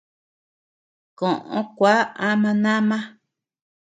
Koʼö kua ama nama.